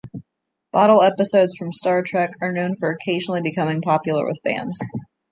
Bottle episodes from "Star Trek" are known for occasionally becoming popular with fans.